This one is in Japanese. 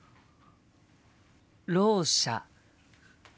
ろう者。